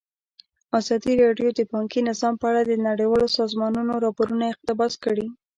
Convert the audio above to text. ازادي راډیو د بانکي نظام په اړه د نړیوالو سازمانونو راپورونه اقتباس کړي.